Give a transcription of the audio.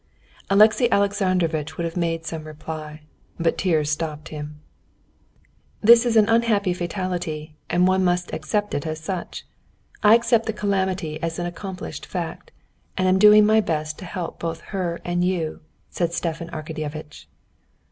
Alexey Alexandrovitch would have made some reply, but tears stopped him. "This is an unhappy fatality, and one must accept it as such. I accept the calamity as an accomplished fact, and am doing my best to help both her and you," said Stepan Arkadyevitch.